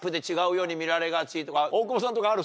大久保さんとかある？